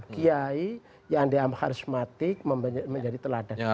kiai yang dianggap menjadi teladan